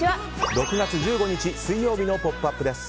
６月１５日水曜日の「ポップＵＰ！」です。